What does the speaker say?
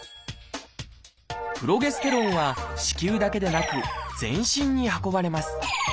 プロゲステロンは子宮だけでなく全身に運ばれます。